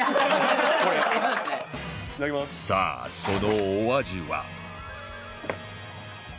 さあそのお味は？